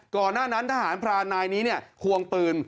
ก่อนหน้านั้นทหารพรานนายนี้ควงปืน